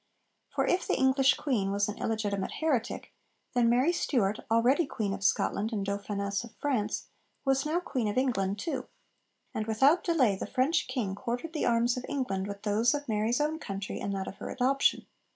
For if the English queen was an illegitimate heretic, then Mary Stuart, already Queen of Scotland and Dauphiness of France, was now Queen of England too; and without delay the French king quartered the arms of England with those of Mary's own country and that of her adoption.